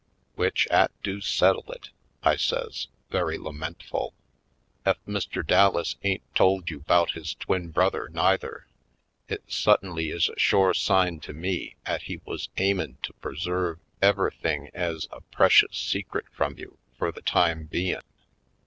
"W'ich 'at do settle it!" I says, very la mentful. "Ef Mr. Dallas ain't told you 'bout his twin brother neither, it suttinly is a shore sign to me 'at he wuz aimin' to purserve ever'thing ez a precious secret f rum you fur the time bein'.